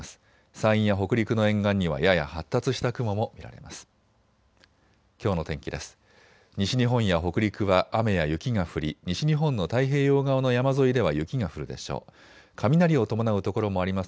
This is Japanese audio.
山陰や北陸の沿岸にはやや発達した雲も見られます。